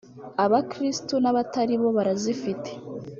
abakiristu n’abatari bo barazifite